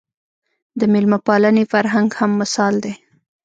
د مېلمه پالنې فرهنګ هم مثال دی